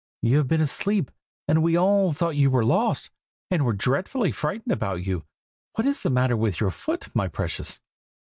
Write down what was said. you have been asleep, and we all thought you were lost, and were dreadfully frightened about you. What is the matter with your foot, my precious?"